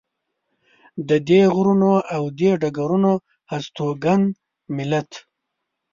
د دې غرونو او دې ډګرونو هستوګن ملت.